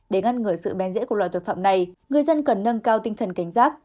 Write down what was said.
để ngăn ngừa sự bén rễ của loài tội phạm này người dân cần nâng cao tinh thần cảnh giác